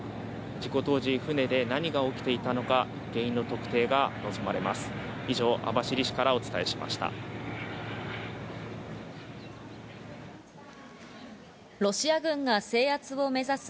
事故当時、船で何が起きていたのか原因の特定が望まれます。